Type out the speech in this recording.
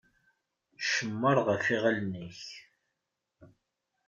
Cemmer ɣef yiɣalen-ik.